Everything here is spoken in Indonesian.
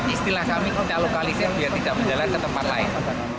istilah kami kita lokalisir biar tidak berjalan ke tempat lain